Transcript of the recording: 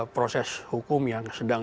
proses hukum yang sedang